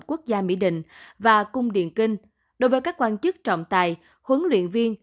quốc gia mỹ đình và cung điện kinh đối với các quan chức trọng tài huấn luyện viên